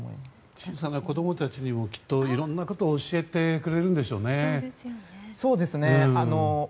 小さな子供たちにもきっといろんなことを教えてくれるんでしょうね。